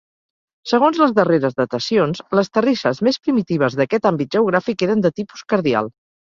Segons les darreres datacions, les terrisses més primitives d'aquest àmbit geogràfic eren de tipus cardial.